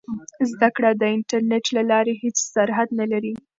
زده کړه د انټرنیټ له لارې هېڅ سرحد نه لري.